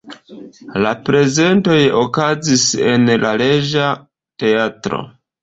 La prezentoj okazis en la Reĝa teatro.